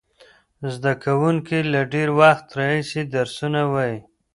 زده کوونکي له ډېر وخت راهیسې درسونه وایي.